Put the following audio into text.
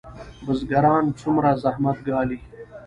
بزګران څومره زحمت ګالي؟